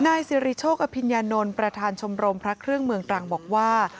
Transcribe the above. นายสิริโชคอภิญญานนท์ประธานชมรมพระเครื่องเมืองตรังบอกว่า